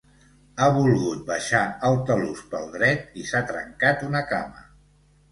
Ha volgut baixar el talús pel dret i s'ha trencat una cama.